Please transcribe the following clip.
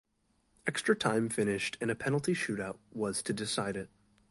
Extra time finished and a penalty shoot-out was to decide it.